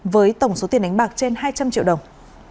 với tổng số tiền đánh bạc trên hai trăm linh triệu đồng